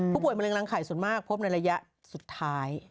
มะเร็รังไข่ส่วนมากพบในระยะสุดท้าย